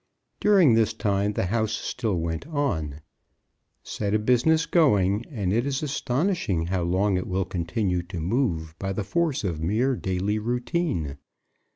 During this time the house still went on. Set a business going, and it is astonishing how long it will continue to move by the force of mere daily routine.